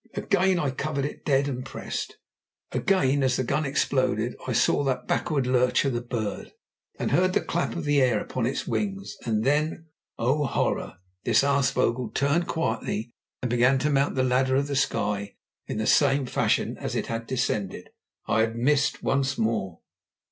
Again I covered it dead and pressed. Again as the gun exploded I saw that backward lurch of the bird, and heard the clap of the air upon its wings. Then—oh horror!—this aasvogel turned quietly, and began to mount the ladder of the sky in the same fashion as it had descended. I had missed once more.